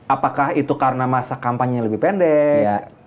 apakah itu karena masa kampanye yang lebih pendek